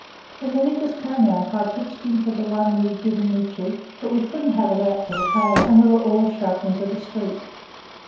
When the niggers come out I pitched into th' one as had given me cheek; but we couldn't have it out for th' crowd, and we were all shoved into th' street.